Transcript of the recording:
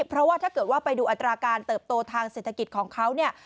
เพราะว่าถ้าเกิดว่าไปดูอัตราการเติบโตทางเศรษฐกิจของเขาเนี่ย